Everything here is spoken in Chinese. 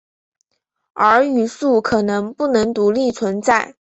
而语素可能不能独立存在。